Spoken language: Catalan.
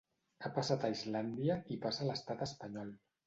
Ha passat a Islàndia i passa a l’estat espanyol.